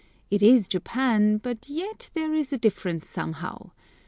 It is Japan, but yet there is a difference somehow.